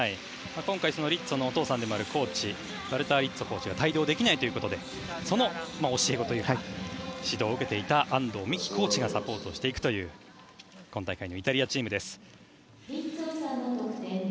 今回リッツォのお父さんでもあるコーチがヴァルター・リッツォコーチが帯同できないということでその教え子ということで指導を受けていたコーチがサポートするという今大会のイタリアチームです。